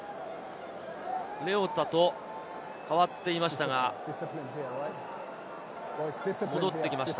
レオタと代わっていましたが、戻ってきました。